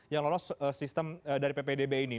yang lolos sistem dari ppdb ini